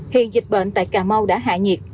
hiện dịch bệnh tại cà mau đã hạ nhiệt